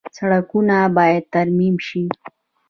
سړکونه باید ترمیم شي